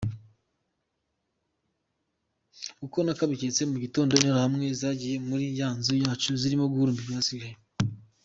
Uko nakabiketse mu gitondo interahamwe zagiye muri ya nzu yacu zirimo guhuruhumba ibyasigayemo.